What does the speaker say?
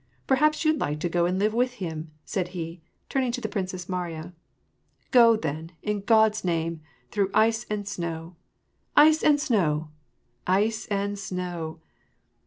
Perhaps you'd like to go and live with him ?" said he, turning to the Princess Mariya :" Go, then, in God's name ; througn ice and snow — ice and snow — ice and snow